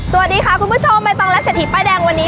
สวัสดีค่ะคุณผู้ชมใบตองและเศรษฐีป้ายแดงวันนี้